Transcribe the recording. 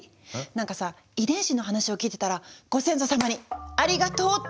なんかさ遺伝子の話を聞いてたらご先祖さまに「ありがとう」って言いたくなってきちゃって。